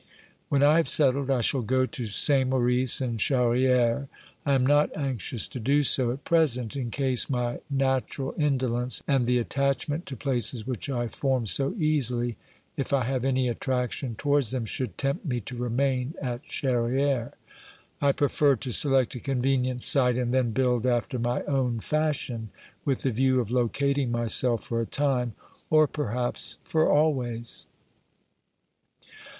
When I have settled, I shall go to Saint Maurice and Charrieres. I am not anxious to do so at present, in case my natural indolence and the attachment to places which I form so easily, if I have any attraction to wards them, should tempt me to remain at Charrieres. I prefer to select a convenient site and then build after my own fashion, with the view of locating myself for a time, or perhaps for always.